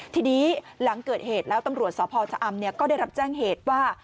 ทีนี้หลังเกิดเหตุแล้วตำรวจสพชะอำก็ได้รับแจ้งเหตุว่า